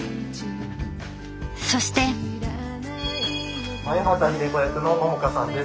そして前畑秀子役の桃果さんです。